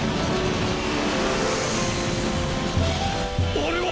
あれは！